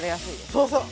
そうそう。